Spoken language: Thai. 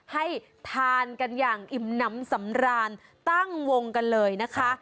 ให้ทานกันอย่างอิ่มน้ำสำราญตั้งวงกันเลยนะคะ